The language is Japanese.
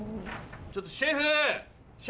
ちょっとシェフ！